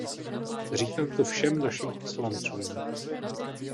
Říkám to všem našim poslancům.